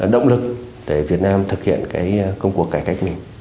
động lực để việt nam thực hiện công cuộc cải cách mình